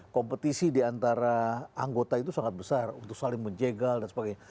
kompetisi diantara anggota itu sangat besar untuk saling menjegal dan sebagainya